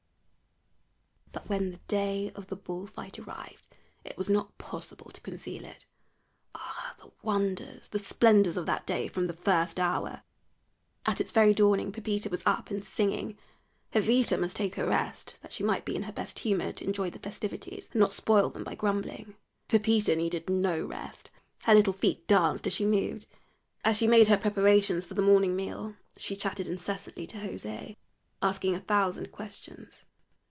But when the day of the bull fight arrived it was not possible to conceal it. Ah! the wonders, the splendors of that day from the first hour! At its very dawning Pepita was up and singing. Jovita must take her rest, that she might be in her best humor to enjoy the festivities, and not spoil them by grumbling. Pepita needed no rest; her little feet danced as she moved; as she made her preparations for the morning meal she chatted incessantly to José, asking a thousand questions.